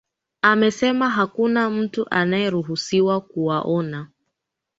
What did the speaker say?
amesema hakuna mtu anayeruhusiwa kuwaona